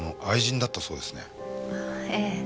ええ。